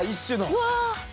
うわ。